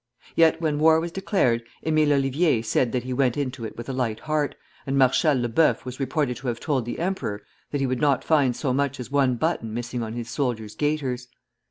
Yet when war was declared, Émile Ollivier said that he went into it with a light heart, and Marshal Le Buf was reported to have told the emperor that he would not find so much as one button missing on his soldiers' gaiters.